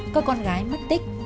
có con gái mất tích